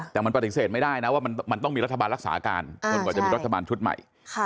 แต่มันปฏิเสธไม่ได้นะว่ามันต้องมีรัฐบาลรักษาการจนกว่าจะมีรัฐบาลชุดใหม่